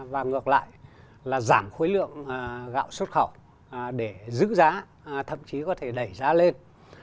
và ngược lại là giảm khối lượng gạo xuất khẩu để giữ giá thậm chí có thể đẩy giá lên